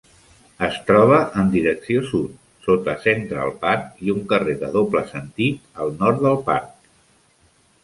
Es troba en direcció sud, sota Central Park i un carrer de doble sentit al nord del parc.